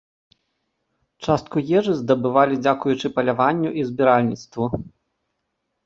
Частку ежы здабывалі дзякуючы паляванню і збіральніцтву.